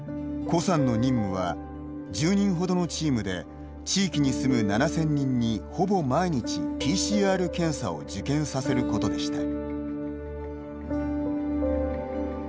コさんの任務は１０人ほどのチームで地域に住む７０００人にほぼ毎日、ＰＣＲ検査を受検させることでした。